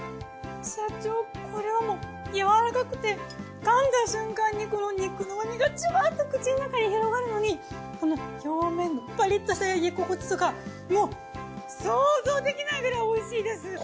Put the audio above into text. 社長これはもうやわらかくて噛んだ瞬間にこの肉の旨みがジュワッと口の中に広がるのにこの表面のパリッとした焼き心地とかもう想像できないくらいおいしいです！